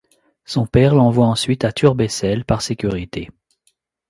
Son père l'envoie ensuite à Turbessel par sécurité.